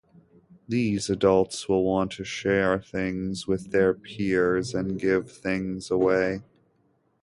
These adults will want to share things with their peers and give things away.